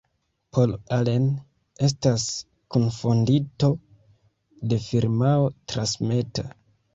Paul Allen estas kunfondinto de firmao Transmeta.